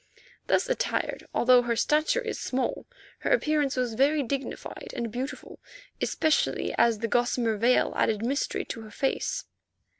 Thus attired, although her stature is small, her appearance was very dignified and beautiful, especially as the gossamer veil added mystery to her face.